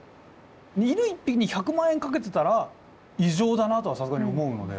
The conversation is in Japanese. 犬１匹に１００万円かけてたら異常だなとはさすがに思うので。